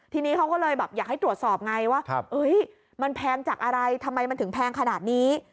ทีนี้เขาก็เลยแบบอยากให้ตรวจสอบไงว่ามันแพงจากอะไรทำไมมันถึงแพงขนาดนี้